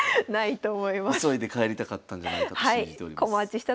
急いで帰りたかったんじゃないかと信じております。